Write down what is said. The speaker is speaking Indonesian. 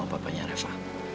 sama bapaknya reva